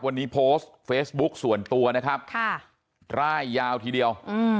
วันนี้โพสต์เฟซบุ๊คส่วนตัวนะครับร่ายยาวทีเดียว